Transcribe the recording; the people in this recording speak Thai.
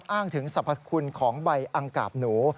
อ้างถึงสรรพคุณของใบอังกาบหนู